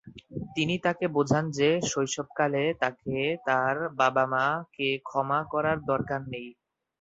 তিনি তাকে বোঝান যে শৈশবকালে তাকে তার বাবা-মা'কে ক্ষমা করার দরকার নেই।